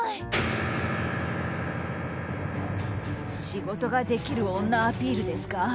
仕事ができる女アピールですか？